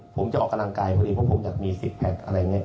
ผมจะออกกำลังกายเพราะดีผมอยากมี๖แพ็คอะไรอย่างนี้